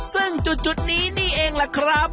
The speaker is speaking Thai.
ซึ่งจุดนี้นี่เองล่ะครับ